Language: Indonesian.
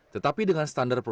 tetapi dengan standar prosesnya